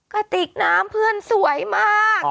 กระติกน้ำเพื่อนสวยมาก